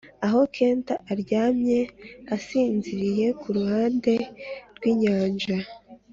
aho kent aryamye asinziriye kuruhande rwinyanja,